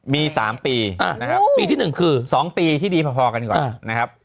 มี๓ปีนะครับปีที่๑คือ๒ปีที่ดีพอกันก่อนนะครับ